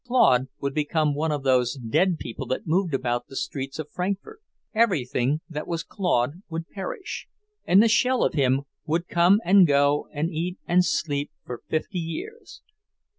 Claude would become one of those dead people that moved about the streets of Frankfort; everything that was Claude would perish, and the shell of him would come and go and eat and sleep for fifty years.